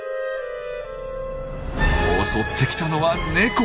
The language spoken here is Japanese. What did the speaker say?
襲ってきたのはネコ！